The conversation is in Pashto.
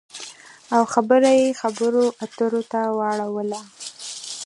او خبره یې خبرو اترو ته واړوله